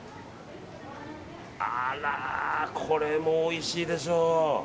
あらー、これもおいしいでしょ。